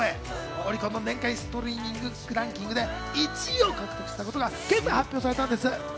オリコンの年間ストリーミングランキングで１位を獲得したことが今朝発表されたんです。